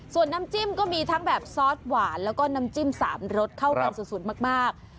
ส่วนน้ำจิ้มก็มีทั้งแบบซอสหวานแล้วก็น้ำจิ้ม๓รสเข้ากันสุดมาก